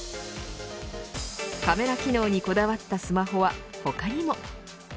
カメラ機能にこだわったスマホは他にも。